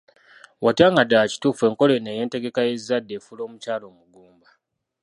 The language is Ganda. Watya nga ddala kituufu enkola eno ey’entegeka y’ezzadde efuula omukyala omugumba?